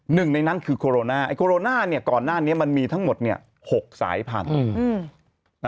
หนึ่งในนั้นคือโคโรนาไอโคโรนาเนี่ยก่อนหน้านี้มันมีทั้งหมด๖สายพันธุ์